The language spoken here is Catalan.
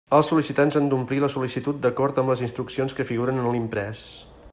Els sol·licitants han d'omplir la sol·licitud d'acord amb les instruccions que figuren en l'imprés.